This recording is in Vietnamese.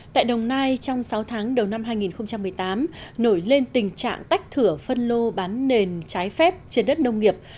tại đồng nai trong sáu tháng đầu năm hai nghìn một mươi tám nổi lên tình trạng tách thửa phân lô bán nền trái phép trên đất nông nghiệp